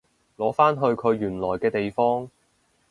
擺返去佢原來嘅地方